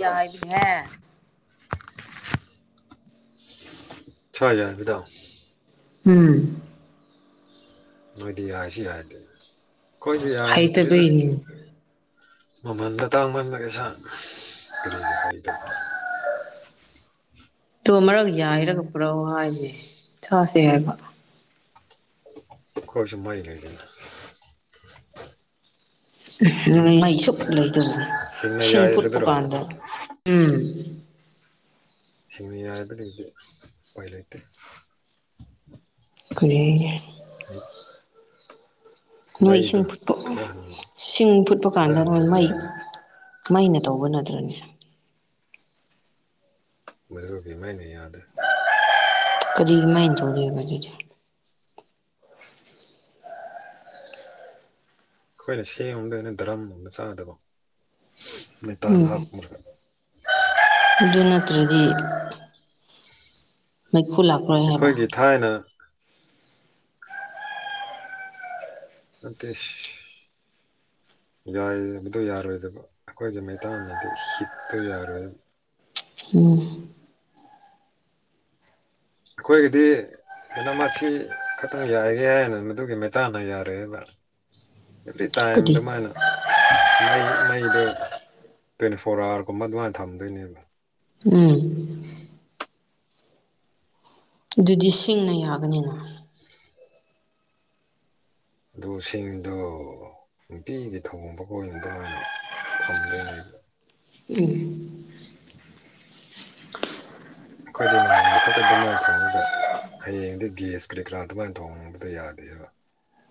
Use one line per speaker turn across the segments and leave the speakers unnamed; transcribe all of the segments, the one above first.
ꯏꯁꯥ
ꯌꯥꯏꯕꯅꯤꯍꯦ
ꯁꯥꯏ ꯌꯥꯗꯦꯗꯥꯎ
ꯎꯝ
ꯅꯣꯏꯗꯤ ꯌꯥꯥꯏꯁꯤ ꯌꯥꯗꯦ ꯈꯣꯏꯗꯤ ꯌꯥꯗ꯭ꯔꯤꯗ
ꯍꯩꯇꯕꯩꯅꯦ
ꯃꯃꯟ ꯑꯇꯥꯡꯕ ꯑꯃꯒꯤ ꯁꯥꯥ ꯀꯔꯤꯒꯤ ꯍꯥꯏꯗꯕ
ꯇꯨ ꯑꯃꯔꯛ ꯌꯥꯏꯔꯒ ꯄꯨꯔꯛꯑꯣ ꯍꯥꯏꯁꯦ ꯆꯥꯁꯦ ꯍꯥꯏꯕ
ꯈꯣꯔꯁꯁꯨ ꯃꯣꯏꯒꯩꯗꯅ ꯍꯤꯡ
ꯅꯨꯡꯃꯩꯁꯨꯛ [unintelligible]
ꯍꯤꯡꯅ
ꯏꯁꯤꯡ ꯐꯨꯠꯐꯨꯠ
ꯌꯥꯏꯕꯗꯨꯔꯣ
ꯀꯥꯝꯕ꯭ꯔ‌ꯣ ꯎꯝ
[unintelligible] ꯍꯥꯏꯕꯗꯒꯤꯗꯤ ꯎꯄꯥꯏ ꯂꯩꯇꯦ
ꯀꯔꯤꯒ‌ꯦ
ꯃꯩ
ꯅꯣꯏ ꯏꯁꯤꯡ ꯐꯨꯠꯄ
ꯐꯖꯍꯟ
ꯁꯤꯡ ꯐꯨꯠꯄ ꯀꯥꯟꯗ ꯅꯣꯏ
ꯐꯖꯍꯟꯗ꯭ꯔꯗꯤ
ꯃꯩ
ꯌꯥꯔꯣꯏ
ꯃꯩꯅ ꯇꯧꯕ ꯅꯠꯗ꯭ꯔꯅꯦ
ꯃꯩꯔꯨꯒꯤ ꯃꯩꯅ ꯌꯥꯗꯦ
ꯀꯔꯤꯒꯤ ꯃꯩꯅ ꯇꯧꯗ‌ꯣꯏꯕ ꯑꯗꯨꯗꯤ
ꯑꯩꯈꯣꯏꯅ ꯁꯦꯝꯗꯅꯦ ꯗꯔꯝꯒꯨꯝꯕ ꯆꯥꯗꯕ ꯃꯩꯇꯥꯟ
ꯎꯝ
ꯍꯥꯞꯄ꯭ꯔꯒ
ꯑꯗꯨ ꯅꯠꯇ꯭ꯔꯗꯤ ꯃꯩꯈꯨꯨ ꯂꯛ
ꯑꯩꯈꯣꯏꯒꯤ ꯊꯥꯏꯅ ꯑꯟꯇꯤꯁ ꯌꯥꯏꯕꯗꯨ ꯌꯥꯔꯣꯏꯗꯕ ꯑꯩꯈꯣꯏꯗꯤ ꯃꯩꯇꯥꯟꯗꯗꯤ ꯍꯤꯠꯇꯣ ꯌꯥꯔꯣꯏ
ꯎꯝ
ꯑꯩꯈꯣꯏꯒꯤꯗꯤ ꯀꯗ‌ꯣ ꯃꯁꯤ ꯈꯛꯇꯪ ꯌꯥꯏꯌ‌ꯦ ꯍꯥꯏꯅ ꯃꯗꯨꯒꯤ ꯃꯩꯇꯥꯟꯅ ꯌꯥꯔꯦ ꯍꯥꯏꯅ [unintelligible]
ꯀꯗꯤ
ꯇꯥꯏꯝꯗ‌ꯣ ꯃꯥꯅ ꯃꯩ ꯃꯩꯗꯣ ꯇ꯭ꯋꯦꯟꯇꯤ ꯐꯣꯔ ꯑꯋꯥꯔꯒꯨꯝꯕ ꯑꯗꯨꯃꯥꯏꯅ ꯊꯝꯗꯣꯏꯅꯦꯕ
ꯎꯝ ꯑꯗꯨꯗꯤ ꯁꯤꯡꯅ ꯌꯥꯒꯅꯤꯅ
ꯑꯗꯨ ꯁꯤꯡꯗꯣ ꯅꯨꯡꯇꯤꯒꯤ ꯊ‌ꯣꯡꯕꯒꯤ ꯑꯣꯏꯅ ꯑꯗꯨꯃꯥꯏꯅ ꯊꯝꯗ‌ꯣꯏꯅꯦꯕ
ꯎꯝ
ꯑꯩꯈꯣꯏꯗꯤ ꯅꯣꯡꯃ ꯈꯛꯇ ꯑꯗꯨꯃꯥꯏꯅ ꯊꯣꯡꯔꯒ ꯍꯌꯦꯡꯗꯤ ꯒꯦꯁ ꯀꯔꯤ ꯀꯔꯥ ꯑꯗꯨꯃꯥꯏꯅ ꯊꯣꯡꯕꯗꯣ ꯌꯥꯗꯦꯕ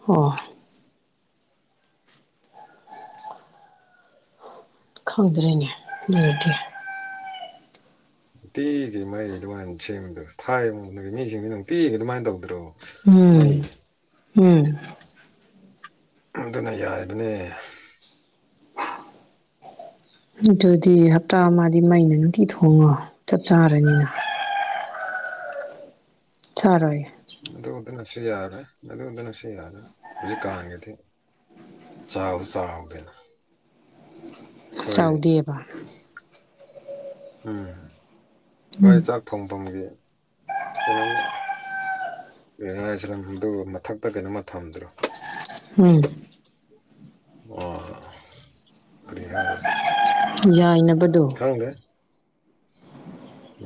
ꯑꯣ ꯈꯪꯗ꯭ꯔꯦꯅꯦ ꯑꯗꯨꯗꯤ
ꯅꯨꯡꯇꯤꯒꯤ ꯃꯩ ꯑꯗꯨꯃꯥꯏꯅ ꯁꯦꯝꯕꯗ ꯊꯥꯏ [unintelligible] ꯃꯤꯁꯤꯡꯁꯤ ꯅꯨꯡꯇꯤꯒꯤ ꯑꯗꯨꯃꯥꯏꯅ ꯇꯧꯗ꯭ꯔꯣ ꯃꯩ
ꯎꯝ ꯎꯝ
ꯑꯗꯨꯅ ꯌꯥꯏꯕꯅꯦ
ꯑꯗꯨꯗꯤ ꯍꯞꯇꯥ ꯑꯃꯗꯤ ꯃꯩꯅ ꯅꯨꯡꯇꯤ ꯊꯣꯡꯉꯣ ꯆꯞ ꯆꯥꯔꯅꯤꯅ ꯆꯥꯔꯣꯏ
ꯑꯗꯨ ꯑꯗꯨꯅꯁꯨ ꯌꯥꯔꯦ ꯃꯗꯨꯗꯅꯁꯨ ꯌꯥꯔꯦ ꯍꯧꯖꯤꯛ ꯀꯥꯡꯉꯤꯗꯤ ꯆꯥꯎꯕꯨ ꯆꯥꯎꯔ [unintelligible]
ꯆꯥꯎꯗꯦꯕ
ꯎꯝ ꯍꯣꯏ
ꯎꯝ
ꯆꯥꯛ ꯊꯣꯡꯐꯝꯒꯤ ꯀꯩꯅꯣꯝꯃ ꯀꯩ ꯍꯥꯏꯁꯤꯔ ꯃꯗꯨ ꯃꯊꯛꯇ ꯀꯩꯅꯣꯃ ꯊꯝꯗ꯭ꯔꯣ
ꯎꯝ
ꯑ‌ꯣ ꯀꯔꯤ ꯍꯥꯏꯔꯦ
ꯌꯥꯏꯅꯕꯗꯣ
ꯈꯪꯗ‌ꯦ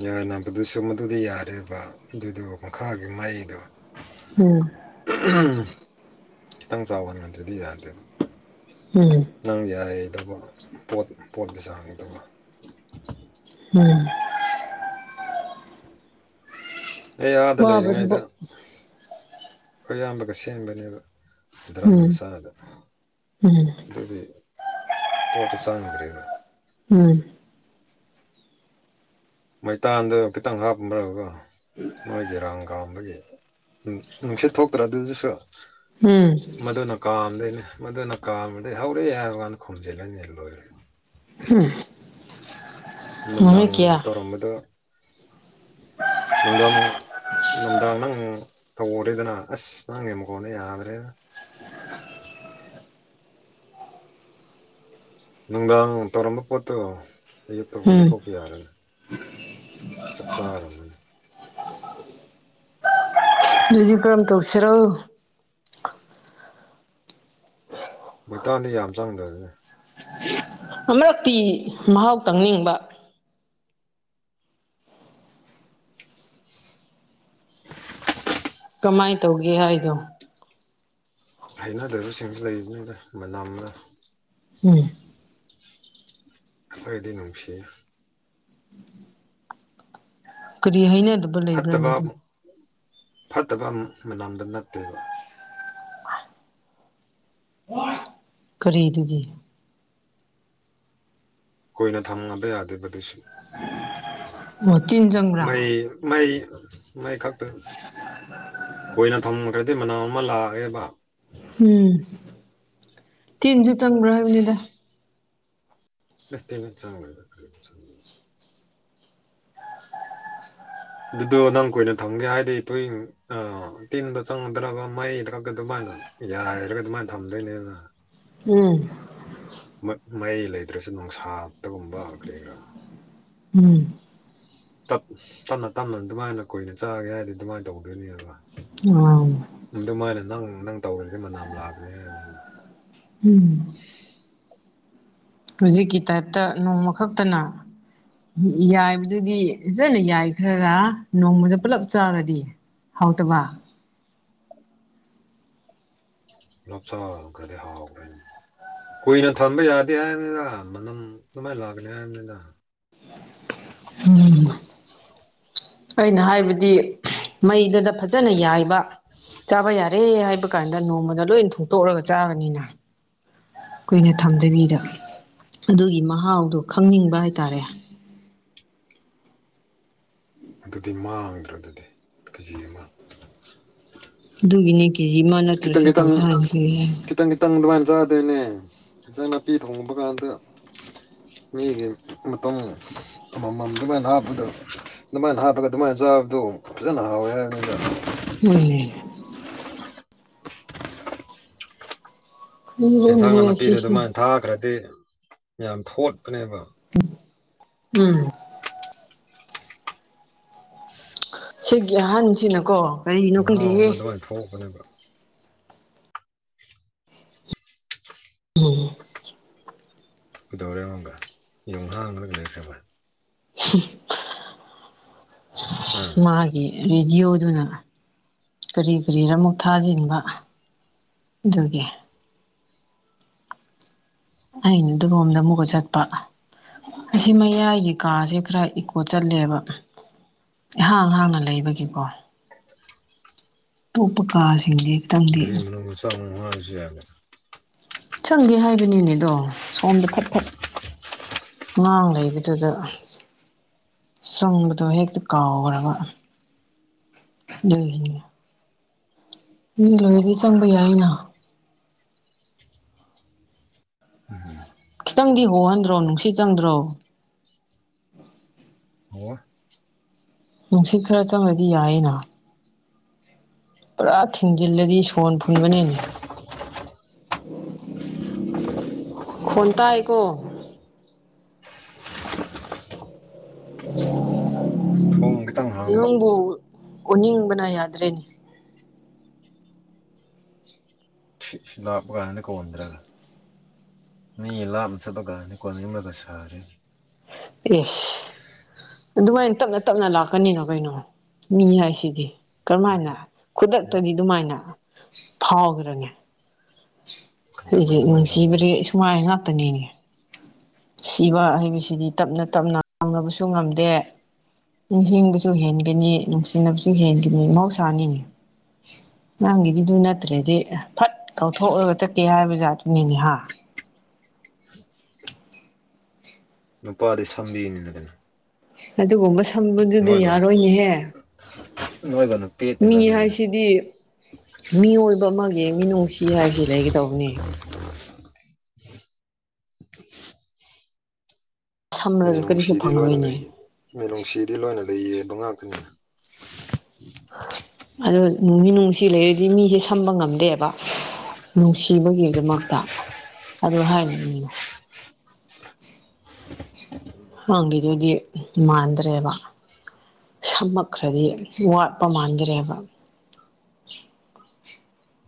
ꯌꯥꯅꯕꯗꯨꯁꯨ ꯃꯗꯨꯗꯤ ꯌꯥꯔꯦꯕ ꯑꯗꯨꯗꯣ ꯃꯈꯥꯒꯤ ꯃꯩꯗꯣ
ꯎꯝ
ꯈꯤꯇꯪ ꯆꯥꯎꯕ ꯅꯠꯗ꯭ꯔꯗꯤ ꯌꯥꯗ‌ꯦ
ꯎꯝ
ꯅꯪ ꯌꯥꯏꯗꯧꯕ ꯄꯣꯠ ꯄꯣꯠꯀꯤ ꯆꯥꯡꯗ‌ꯣ
ꯎꯝ
ꯑꯩ ꯑꯥꯗ
ꯋꯥꯕ
ꯂꯩꯔꯤꯉꯩꯗ
ꯊꯕꯛ
ꯑꯩꯈꯣꯏ ꯏꯌꯥꯝꯕꯒ ꯁꯦꯝꯕꯅꯦꯕ ꯗ꯭ꯔꯥꯝ
ꯎꯝ
ꯃꯁꯥꯗ
ꯎꯝ
ꯑꯗꯨꯒꯤ ꯄꯣꯠꯁꯨ ꯆꯪꯗ꯭ꯔꯦꯕ
ꯎꯝ
ꯃꯩꯇꯥꯟꯗ ꯈꯤꯇꯪ ꯍꯥꯞꯔꯒ ꯃꯣꯏꯒꯤ ꯔꯥꯡ ꯀꯥꯝꯕꯒꯤ ꯅꯨꯡꯁꯤꯠ ꯊꯣꯛꯇ꯭ꯔ ꯑꯗꯨꯁꯨ
ꯎꯝ
ꯃꯗꯨꯅ ꯀꯥꯝꯗꯣꯏꯅꯦ ꯃꯗꯨꯅ ꯀꯥꯝꯝꯕꯗꯩ ꯍꯧꯔꯛꯦ ꯍꯥꯏꯕ ꯀꯥꯟꯗ ꯈꯨꯝꯝꯖꯤꯜꯂꯅꯦ ꯂꯣꯏꯔꯦ
ꯎꯝ ꯅꯨꯃꯤꯠ
ꯅꯨꯡꯗꯥꯡ
ꯀꯌꯥ
ꯇꯧꯔꯝꯝꯕꯗ
[inaudible]
ꯅꯨꯡꯗꯝ ꯅꯨꯡꯗꯥꯡ ꯅꯪ ꯇꯧꯔꯦꯗꯅ ꯑꯁ ꯅꯪꯒꯤ ꯃꯈꯣꯟꯁ‌ꯦ ꯌꯥꯗ꯭ꯔꯦꯗ ꯅꯨꯡꯗꯥꯡ ꯇꯧꯔꯝꯕ ꯄꯣꯠꯇꯣ ꯑꯌꯨꯛꯇꯕꯨ
ꯎꯝ
ꯂꯧꯊꯣꯛꯄ ꯌꯥꯔꯅꯤ ꯆꯞ ꯆꯥꯔꯝ
[inaudible] ꯕꯥꯝ ꯇꯧꯁꯤꯔꯣ
ꯃꯣꯏꯇꯥꯟꯗꯤ ꯌꯥꯝ ꯆꯪꯗꯕꯅꯦ
ꯃꯔꯛꯇꯤ ꯃꯍꯥꯎ ꯇꯪꯅꯤꯡꯕ
[inaudible]
ꯀꯃꯥꯏꯅ ꯇꯧꯒꯦ ꯍꯥꯏꯗꯣ
ꯍꯩꯅꯗꯕꯁꯤꯡꯁꯨ ꯂꯩꯔꯤꯅꯤꯗ ꯃꯅꯝꯅ
ꯎꯝ
ꯑꯩꯗꯤ ꯅꯨꯡꯁꯤ
ꯀꯔꯤ ꯍꯥꯏꯅꯦ ꯑꯗꯨ
ꯐꯠꯇꯕ ꯐꯠꯇꯕ ꯃꯝꯗ ꯅꯠꯇꯦꯕ
ꯀꯔꯤꯗꯨꯗꯤ
ꯀꯨꯏꯅ ꯊꯝꯕ ꯌꯥꯗꯕꯗꯨꯁꯨ
ꯑꯣ ꯇꯤꯟ ꯆꯪꯕ꯭ꯔꯥ
ꯃꯩ ꯃꯩ ꯃꯩ ꯈꯛꯇ ꯀꯣꯏꯅ ꯊꯝꯈ꯭ꯔꯗꯤ ꯃꯅꯥꯎ ꯑꯃ ꯂꯥꯛꯑꯦꯕ
ꯎꯝ ꯇꯤꯟꯁꯨ ꯆꯪꯕ꯭ꯔꯥ ꯍꯥꯏꯕꯅꯤꯗ
ꯑꯦꯇꯩꯩꯅ ꯆꯥꯡꯂꯔꯤ ꯑꯗꯨꯗꯣ ꯅꯪ ꯀꯨꯏꯅ ꯊꯝꯒꯦ ꯍꯥꯏꯗꯤ ꯇꯣꯏ ꯑ ꯇꯤꯟꯗ ꯆꯪꯒꯗ꯭ꯔꯕ ꯃꯩꯗꯀ ꯑꯗꯨꯃꯥꯏꯅ ꯌꯥꯔꯒ ꯑꯗꯨꯃꯥꯏꯅ ꯊꯝꯗꯣꯏꯅꯦꯅ
ꯎꯝ
ꯃꯌꯥꯩ ꯂꯩꯇ꯭ꯔꯁꯨ ꯅꯨꯡꯁꯥꯗꯒꯨꯝꯕ ꯀꯔꯤ ꯀꯔꯥ
ꯎꯝ
ꯆꯞꯅ ꯇꯞꯅ ꯑꯗꯨꯃꯥꯏꯅ ꯀꯨꯏꯅ ꯆꯠꯒꯦ ꯍꯥꯏꯔꯗꯤ ꯑꯗꯨꯃꯥꯏꯅ ꯇꯧꯗꯣꯏꯅꯦꯕ
ꯎ
ꯑꯗꯨꯃꯥꯏꯅ ꯅꯪ ꯅꯪ ꯇꯧꯔꯗꯤ ꯃꯅꯥꯝ ꯂꯥꯛꯀꯅꯤ ꯍꯥꯏꯗꯅ
ꯎꯝ ꯍꯧꯖꯤꯛꯀꯤ ꯇꯥꯏꯞꯇ ꯅꯣꯡꯃ ꯈꯛꯇꯅ ꯎ ꯌꯥꯏꯕꯗꯨꯗꯤ ꯐꯖꯅ ꯌꯥꯏꯈ꯭ꯔꯔ ꯅꯣꯡꯃꯗ ꯄꯨꯂꯞ ꯆꯥꯔꯗꯤ ꯍꯥꯎꯗꯕ
ꯂꯞꯁꯥ ꯀꯗ ꯍꯥꯥꯎ ꯀꯨꯏꯅ ꯊꯝꯕ ꯌꯥꯗꯦ ꯍꯥꯏꯕꯅꯤꯗ ꯃꯅꯝ ꯅꯃꯥꯏꯅ ꯂꯥꯛꯀꯅꯤ ꯍꯥꯏꯕꯅꯤꯗ
ꯎꯝ ꯑꯩꯅ ꯍꯥꯏꯕꯗꯤ ꯃꯩꯗꯗ ꯐꯖꯅ ꯌꯥꯏꯕ ꯆꯥꯕ ꯌꯥꯔꯦ ꯍꯥꯏꯕ ꯀꯥꯟꯗ ꯅꯣꯡꯃꯗ ꯂꯣꯏ ꯊꯣꯡꯇꯣꯛꯑꯒ ꯆꯥꯕꯅꯤꯅ ꯑꯩꯈꯣꯏꯅ ꯊꯝꯗꯕꯤꯗ ꯑꯗꯨꯒꯤ ꯃꯍꯥꯎꯗꯣ ꯈꯪꯅꯤꯡꯕ ꯍꯥꯏꯇꯥꯔꯦ
ꯑꯗꯨꯗꯤ ꯃꯥꯡꯗ꯭ꯔꯥ ꯑꯗꯨꯗꯤ ꯀꯦꯖꯤ ꯑꯃ
ꯑꯗꯨꯒꯤꯅꯦ ꯀꯦꯖꯤ ꯑꯃ
ꯈꯤꯇꯪ
ꯅꯠꯇ꯭ꯔꯁꯨ
ꯈꯤꯇꯪ
ꯇꯪꯈ꯭ꯔꯥ
ꯈꯤꯇꯪ ꯈꯤꯇꯪ ꯑꯗꯨꯃꯥꯏꯅ ꯆꯥꯗꯣꯏꯅꯦ ꯍꯟꯖꯥꯡ ꯅꯥꯄꯤ ꯊꯣꯡꯕ ꯀꯥꯟꯗ ꯌꯦ ꯃꯇꯝ ꯑꯃꯃꯝ ꯑꯗꯨꯃꯥꯏꯅ ꯍꯥꯞꯄꯗ ꯑꯗꯨꯃꯥꯏꯅ ꯍꯥꯞꯄꯒ ꯑꯗꯨꯃꯥꯏꯅ ꯆꯥꯕꯗꯣ ꯐꯖꯅ ꯍꯥꯎꯋꯦ ꯍꯥꯏ ꯅꯣꯏꯅ
ꯦ
ꯌꯦꯟꯁꯥꯡ ꯅꯥꯄꯤꯗ
ꯁꯤꯁꯨ
ꯑꯗꯨꯃꯥꯏꯅ ꯊꯥꯛꯈ꯭ꯔꯗꯤ ꯌꯥꯝ ꯊꯣꯠꯄꯅꯦꯕ
ꯎꯝ ꯁꯤꯒꯤ ꯑꯍꯟꯁꯤꯅꯀꯣ ꯀꯔꯤꯅꯣ
ꯃꯍꯥꯎ
ꯈꯪꯗꯦꯍꯦ
ꯑꯃ ꯑꯗꯨꯃꯥꯏꯅ ꯊꯣꯛꯄꯅꯦꯕ
ꯎꯝ
ꯀꯩꯗꯧꯔꯦ ꯑꯃꯨꯛꯀ ꯌꯨꯡ ꯍꯥꯜꯂꯒ ꯂꯩꯈ꯭ꯔꯥꯕ ꯑꯥ
ꯃꯥꯒꯤ ꯔꯦꯗꯤꯑꯣꯗꯨꯅ ꯀꯔꯤ ꯀꯔꯤꯗ ꯃꯨꯛ ꯊꯥꯖꯤꯟꯕ ꯑꯗꯨꯒꯤ ꯑꯩꯅ ꯑꯗꯨ ꯂꯣꯝꯗ ꯑꯃꯨꯛꯀ ꯆꯠꯄ ꯑꯁꯤ ꯃꯌꯥꯏꯒꯤ ꯀꯥꯁꯦ ꯈꯔ ꯏꯀꯣ ꯆꯠꯂꯦꯕ ꯏꯍꯥꯡ ꯑꯍꯥꯡꯅ ꯂꯩꯕꯒꯤꯀꯣ ꯊꯞꯄꯀꯥꯁꯤꯡꯒꯦ
ꯔꯤꯝ ꯂꯁ ꯋꯥꯍꯥꯔꯁ
ꯆꯪꯒꯦ ꯍꯥꯏꯕꯅꯤꯅꯦ ꯑꯗꯣ ꯁꯣꯝꯗ ꯐꯠ ꯐꯠ ꯉꯥꯡ ꯂꯩꯕ ꯑꯗꯨꯗ ꯆꯪꯕꯗꯣ ꯍꯦꯛꯇ ꯀꯥꯎꯈ꯭ꯔꯕ ꯑꯗꯨꯒꯤꯅꯤ ꯃꯤ ꯂꯣꯏꯔꯗꯤ ꯆꯪꯕ ꯌꯥꯏꯅ
ꯎꯝ [unintelligible]
ꯅꯪꯗꯤ ꯍꯣꯍꯟꯗ꯭ꯔꯣ ꯅꯨꯡꯁꯤꯠ ꯆꯪꯗ꯭ꯔꯣ
ꯑꯣ
ꯅꯨꯡꯁꯤꯠ ꯈꯔ ꯆꯪꯉꯗꯤ ꯌꯥꯏꯌꯦꯅ ꯄꯨꯔꯥ ꯊꯤꯡꯖꯤꯜꯂꯗꯤ ꯁꯣꯔ ꯐꯨꯟꯕꯅꯤꯅꯦ ꯈꯣꯟ ꯇꯥꯢꯀꯣ
ꯊꯣꯡ ꯈꯤꯇꯪ ꯍꯥꯡꯕ
ꯅꯪꯕꯨ ꯎꯅꯤꯡꯕꯅ ꯌꯥꯗ꯭ꯔꯦꯅꯦ
ꯂꯛꯄꯒꯥꯟꯗ ꯀꯣꯟꯗ꯭ꯔꯥ ꯃꯤ ꯂꯥꯞꯅ ꯆꯠꯂ ꯀꯥꯟꯗ ꯀꯣꯜꯅꯤꯡꯕꯒ ꯁꯥꯔꯦꯅꯦ
ꯢꯁ ꯑꯗꯨꯃꯥꯏꯅ ꯇꯞꯅ ꯇꯞꯅ ꯂꯥꯛꯀꯅꯤꯅ ꯀꯩꯅꯣ ꯃꯤ ꯍꯥꯏꯁꯤꯗꯤ ꯀꯔꯝꯃꯥꯏꯅ ꯈꯨꯗꯛꯇꯗꯤ ꯑꯗꯨꯃꯥꯏꯅ ꯐꯥꯎꯈ꯭ꯔꯅꯤ
ꯈꯟꯇꯛ
ꯑꯩꯁꯦ
ꯑꯗꯨꯃꯥꯏꯅ ꯇꯧꯗꯣꯏꯅ
ꯅꯨꯡꯁꯤꯕꯗꯤ ꯁꯨꯃꯥꯏꯅ ꯉꯥꯛꯇꯅꯤꯅꯦ ꯁꯤꯕ ꯍꯥꯢꯕꯁꯤꯗꯤ ꯇꯞꯅ ꯇꯞꯅ ꯉꯪꯅꯕꯁꯨ ꯉꯝꯗꯦ ꯅꯤꯡꯁꯤꯡꯕꯁꯨ ꯍꯦꯟꯒꯅꯤ ꯅꯨꯡꯁꯤꯅꯕꯁꯨ ꯍꯦꯟꯒꯅꯤ ꯃꯍꯧꯁꯥꯅꯤꯅꯦ ꯅꯪꯒꯤꯗꯤꯗꯨ ꯅꯠꯇ꯭ꯔꯦꯗꯤ ꯐꯠ ꯀꯧꯊꯣꯛꯑꯒ ꯆꯠꯀꯦ ꯍꯥꯏꯕ ꯖꯥꯠ ꯅꯤꯅꯦ ꯍꯥ
ꯅꯨꯄꯥꯗꯤ ꯁꯝꯕꯤꯅꯤꯅ ꯀꯩꯅꯣ
ꯑꯗꯨꯒꯨꯝꯕ ꯁꯝꯕꯗꯨꯗ
ꯅꯣꯏꯒ
ꯌꯥꯔꯣꯏꯅꯦꯍꯦ
ꯅꯣꯏꯒꯅ
ꯃꯤ
ꯄꯦꯠꯇꯦꯅ ꯑꯩꯈꯣꯏꯗꯤ
ꯍꯥꯏꯁꯤꯗꯤ ꯃꯤꯑꯣꯏꯕ ꯑꯃꯒꯤ ꯃꯤꯅꯨꯡꯁꯤ ꯍꯥꯏꯕꯁꯤ ꯂꯩꯒꯗꯧꯕꯅꯦ ꯁꯝꯂꯒ ꯀꯔꯤꯁꯨ
ꯃꯤꯅꯨꯡꯁꯤꯗꯤ ꯂꯣꯏꯅ
ꯐꯪꯂꯣꯏꯅꯦ
ꯂꯩꯌꯦ ꯃꯤꯅꯨꯡꯁꯤꯗꯤ ꯂꯣꯏꯅ ꯂꯩꯌꯦꯕ ꯉꯥꯛꯇꯅꯤ
ꯑꯗꯨ ꯅꯨꯡꯗꯤ ꯅꯨꯡꯁꯤ ꯂꯩꯔꯗꯤ ꯃꯤꯁꯦ ꯁꯝꯕ ꯉꯝꯗꯦꯕ ꯅꯨꯡꯁꯤꯕꯒꯤꯗꯃꯛꯇ ꯑꯗꯨ ꯍꯥꯏꯅꯤꯡꯏ ꯅꯪꯒꯤꯗꯨꯗꯤ ꯃꯥꯟꯗ꯭ꯔꯦꯕ ꯁꯝꯃꯛꯈ꯭ꯔꯗꯤ ꯋꯥꯠꯄ ꯃꯥꯟꯒ꯭ꯔꯦꯕ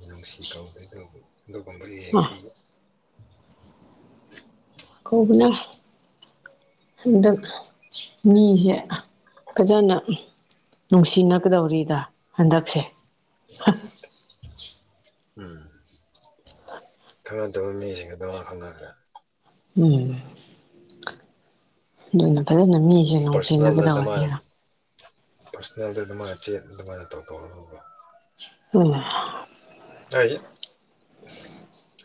ꯅꯨꯡꯁꯤ ꯀꯧꯗꯦ ꯑꯗꯨꯕꯨ ꯑꯗꯨꯒꯨꯝꯕ
ꯑ
ꯌꯦꯡꯗꯧꯕ
ꯀꯧꯒꯅꯨ ꯍꯟꯗꯛ ꯃꯤꯁꯦ ꯐꯖꯅ ꯅꯨꯡꯁꯤꯅꯒꯗꯧꯔꯤꯗ ꯍꯟꯗꯛꯁꯦ
ꯎꯝ ꯈꯪꯅꯗꯕ ꯃꯤꯁꯤꯡꯗꯣ ꯑꯗꯨꯃꯥꯢꯅ ꯍꯪꯅꯈ꯭ꯔꯦ
ꯎꯝ ꯑꯗꯨꯅ ꯐꯖꯅ ꯃꯤ
ꯄ꯭ꯥꯔꯁꯅꯦꯜꯗ ꯑꯗꯨꯃꯥꯢꯅ ꯄꯥ꯭ꯔꯁꯅꯦꯜꯗ ꯑꯗꯨꯃꯥꯏ ꯆꯦꯠ ꯑꯗꯨꯃꯥꯏꯅ ꯇꯧꯊꯣꯛꯑꯒꯀꯣ
ꯎꯝ
ꯑꯩ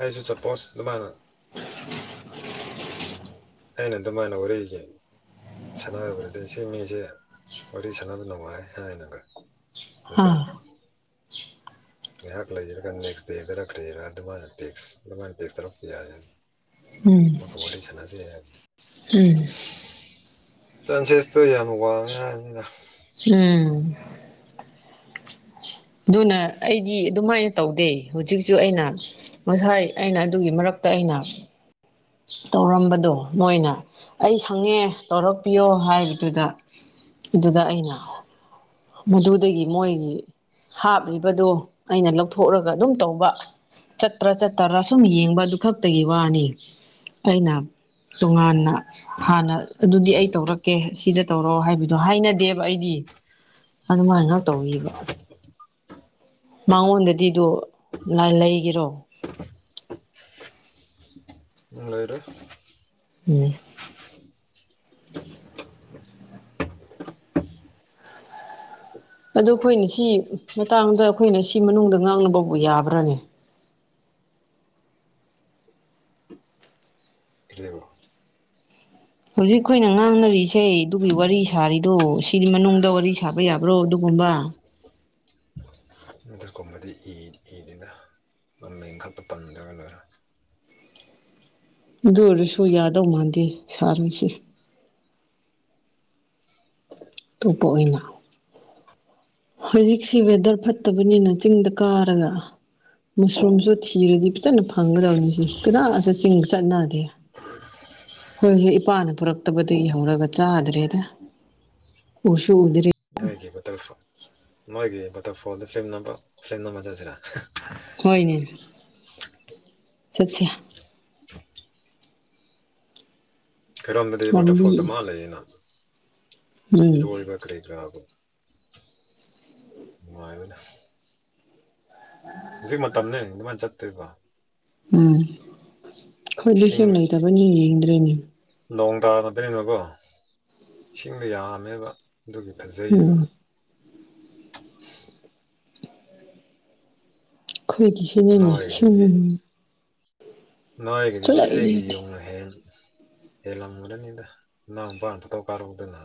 ꯑꯩꯁꯨ ꯁꯄꯣꯁ ꯑꯗꯨꯃꯥꯏꯅ
[inaudible]
ꯑꯩꯅ ꯑꯗꯨꯃꯥꯏꯅ ꯋꯥꯔꯤꯖꯦ ꯁꯥꯟꯅꯒ ꯑꯣꯏꯔꯗꯤ ꯁꯤ ꯃꯤꯁꯦ ꯋꯥꯔꯤ ꯁꯥꯟꯅꯕ ꯅꯨꯡꯉꯥꯏ ꯍꯥꯏꯅꯒ [unintelligible] ꯉꯥꯏꯍꯥꯛ ꯂꯩꯔꯒ ꯅꯦꯛꯁ ꯗꯦꯗꯔꯥ ꯀꯥꯔꯤꯔ ꯑꯗꯨꯃꯥꯢꯅ ꯇꯦꯛꯁ ꯑꯗꯨꯃꯥꯢꯅ ꯇꯦꯛꯁ ꯇꯧꯔꯛꯄ ꯌꯥꯢꯑꯦꯕ
ꯎꯝ
ꯑꯃꯨꯛꯀ ꯋꯥꯔꯤ ꯁꯥꯟꯅꯁꯦ
ꯎꯝ
ꯆꯥꯡꯁꯦꯁꯇꯨ ꯌꯥꯝ ꯋꯥꯡꯉꯦ ꯍꯥꯏꯕꯅꯤꯅ
ꯎꯝ ꯑꯗꯨꯅ ꯑꯩꯗꯤ ꯑꯗꯨꯃꯥꯏ ꯇꯧꯗꯦ ꯍꯨꯖꯤꯛꯖꯩ ꯑꯩꯅ ꯉꯁꯥꯏ ꯑꯩꯅ ꯑꯗꯨꯒꯤ ꯃꯔꯛꯇ ꯑꯩꯅ ꯇꯧꯔꯝꯕꯗꯣ ꯃꯣꯏꯅ ꯑꯩ ꯁꯪꯉꯦ ꯇꯧꯔꯛꯄꯤꯌꯣ ꯍꯥꯏꯕꯗꯨꯗ ꯑꯗꯨꯗ ꯑꯩꯅ ꯃꯗꯨꯗꯒꯤ ꯃꯣꯏꯒꯤ ꯍꯥꯞꯂꯤꯕꯗꯣ ꯑꯩꯅ ꯂꯧꯊꯣꯛꯔꯒ ꯑꯗꯨꯝ ꯇꯧꯕ ꯆꯠꯇ꯭ꯔꯥ ꯆꯠꯇꯔꯥ ꯁꯨꯝ ꯌꯦꯡꯕ ꯑꯗꯨ ꯈꯛꯇꯒꯤ ꯋꯥꯅꯤ ꯑꯩꯅ ꯇꯨꯉꯥꯟꯅ ꯍꯥꯟꯅ ꯑꯗꯨꯗꯤ ꯑꯩ ꯇꯧꯔꯛꯀꯦ ꯁꯤꯗ ꯇꯧꯔꯑꯣ ꯍꯥꯏꯕꯗꯣ ꯍꯥꯏꯅꯗꯦꯕ ꯑꯩꯗꯤ ꯑꯗꯨꯃꯥꯏꯉꯥꯛ ꯇꯧꯕꯤꯕ ꯃꯉꯣꯟꯗꯗꯤ ꯗꯣ ꯅꯥꯏꯔꯩꯒꯦꯔꯣ
ꯂꯩꯔ
ꯎꯝ ꯑꯗꯨ ꯈꯣꯏꯅ ꯁꯤ ꯃꯇꯥꯡꯗ ꯑꯈꯣꯏꯅ ꯁꯤ ꯃꯅꯨꯡꯗ ꯉꯥꯡꯅꯕꯕꯨ ꯌꯥꯕ꯭ꯔꯥꯅꯦ
ꯀꯤꯔꯩꯕ
ꯍꯧꯖꯤꯛ ꯑꯩꯈꯣꯏꯅ ꯉꯥꯡꯅꯔꯤꯁꯦ ꯑꯗꯨꯒꯤ ꯋꯥꯔꯤ ꯁꯥꯔꯤꯗꯣ ꯁꯤꯒꯤ ꯃꯅꯨꯡꯗ ꯋꯥꯔꯤ ꯁꯥꯕ ꯌꯥꯕ꯭ꯔꯣ ꯑꯗꯨꯒꯨꯝꯕ
ꯅꯠꯇ꯭ꯔꯀꯨꯝꯕꯗꯤ ꯏꯗ ꯏꯗꯦꯅ ꯃꯃꯤꯡꯈꯛꯇ ꯄꯟꯗ꯭ꯔꯒ ꯂꯣꯏꯔꯦ
ꯑꯗꯨ ꯑꯣꯏꯔꯁꯨ ꯌꯥꯗꯧ ꯃꯥꯟꯗꯦ ꯁꯥꯔꯣꯏꯁꯦ ꯑꯇꯣꯞꯄ ꯑꯣꯏꯅ ꯍꯧꯖꯤꯛꯁꯦ ꯋꯦꯗꯔ ꯐꯠꯇꯕꯅꯤꯅ ꯆꯤꯡꯗ ꯀꯥꯔꯒ ꯃꯁꯔꯨꯝꯁꯨ ꯊꯤꯔꯗꯤ ꯐꯖꯅ ꯐꯪꯒꯗꯕꯅꯤ ꯁꯤꯅꯤ ꯀꯗꯥꯗꯁꯨ ꯆꯤꯡ ꯆꯠꯅꯗꯦ ꯍꯣꯏ ꯍꯣꯏ ꯏꯄꯥꯅ ꯄꯨꯔꯛꯇꯕꯗꯒꯤꯗꯒꯤ ꯍꯧꯧꯔꯒ ꯆꯥꯗ꯭ꯔꯦꯗ ꯎꯁꯨ ꯎꯗꯔꯤ
ꯃꯣꯏꯒꯤ ꯕꯇꯔꯐ ꯃꯣꯏꯒꯤ ꯕꯇꯔꯐꯣꯜꯗ ꯁꯦꯝꯅꯕ ꯁꯦꯝꯅꯕ ꯆꯠꯁꯤꯔ
ꯍꯣꯏꯅꯦ ꯁꯠꯁꯤꯌ
ꯈꯔꯃꯗꯤ
ꯂꯝꯕꯤ
ꯋꯥꯇꯔꯐꯣꯜ ꯗꯃꯥ ꯂꯩꯌꯦꯅ
ꯎꯝ
ꯏꯔꯣꯏꯕ ꯀꯔꯤꯗ꯭ꯔꯒ ꯋꯥꯏꯕꯅ
[unintelligible]
ꯍꯨꯖꯤꯛ ꯃꯇꯝꯅꯦ ꯑꯗꯨꯃꯥꯏꯟ ꯆꯠꯇꯣꯏꯕ
ꯎꯝ ꯇꯣꯢꯏꯗꯤ
ꯏꯁꯤꯡ
ꯁꯦꯡ ꯂꯩꯇꯕꯅꯤ ꯌꯦꯡꯗ꯭ꯔꯦꯅꯦ
ꯅꯣꯡ ꯇꯥꯅꯕꯔꯤꯅꯣꯀꯣ ꯏꯁꯤꯡꯗ ꯌꯥꯝꯃꯦꯕ ꯑꯗꯨꯒꯤ ꯐꯖꯩꯕ
ꯎꯝ ꯈꯣꯏꯗꯤꯁꯦ ꯅ ꯁꯦꯡ
ꯅꯣꯏꯒꯤꯗꯨꯗꯤ
[inaudible]
ꯅꯣꯏꯒꯤꯗꯨꯗꯤ ꯑꯩꯒꯤ
ꯂꯩꯇꯦ
ꯌꯨꯡꯅ ꯍꯦꯟ ꯍꯦ ꯂꯪꯉꯨꯔꯅꯤꯗ ꯅꯪ ꯅꯨꯄꯥ [inaudible] ꯐꯇꯧ ꯀꯥꯔꯨꯗꯅ